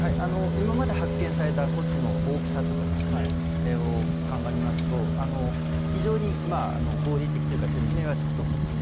今まで発見された骨の大きさとかを鑑みますと非常に合理的というか説明はつくと思うんです。